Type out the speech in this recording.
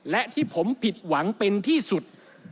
และที่ผมผิดหวังเป็นที่สุด